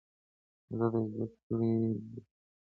زه زده کړه کړي دي!!